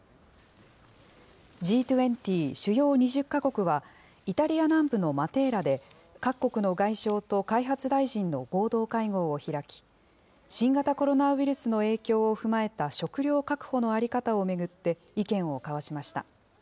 Ｇ２０・主要２０か国は、イタリア南部のマテーラで、各国の外相と開発大臣の合同会合を開き、新型コロナウイルスの影響を踏まえた食料確保の在り方を巡って、意見を交わしました。